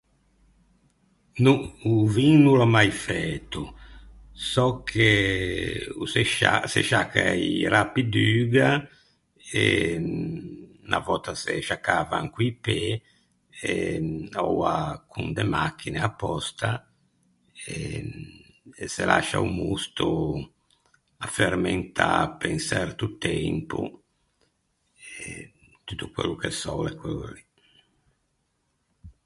No, o vin no l’ò mai fæto. Sò che o ô se sciac- se sciacca i rappi d’uga e unna vòtta se sciaccavan co-i pê, oua con de machine apòsta e e se lascia o mosto à fermentâ pe un çerto tempo e tutto quello che sò o l’é quello lì.